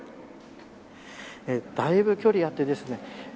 だいぶ距離あってですね